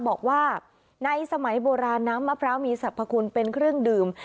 บอกว่าในสมัยโบราณน้ำมะพร้าวมีสรรพคุณเป็นเครื่องดื่ม